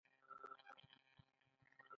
• زموږ اخلاقیات د ټولنې برابر اړخونه راوښيي.